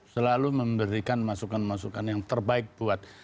selalu memberikan masukan masukan yang terbaik buat